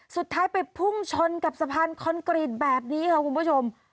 สุดท้ายไปพุ่งชนกับสะพานคอนกรีตแบบนี้ค่ะคุณผู้ชม